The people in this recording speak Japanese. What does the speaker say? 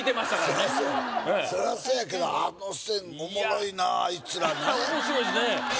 そりゃそうやそりゃそうやけどあの線おもろいなあいつら何やいや面白いですね